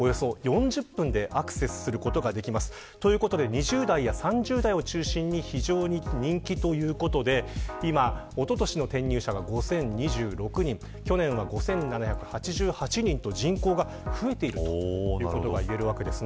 ２０代や３０代を中心に非常に人気ということでおととしの転入者が５０２６人で去年は５７８８人と人口が増えているといいます。